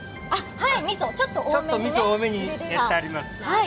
はい、ちょっとみそを多めに入れてあります。